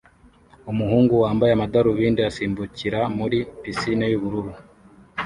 Umuhungu wambaye amadarubindi asimbukira muri pisine y'ubururu